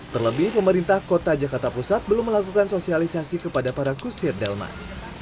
terlebih pemerintah kota jakarta pusat belum melakukan sosialisasi kepada para kusir delman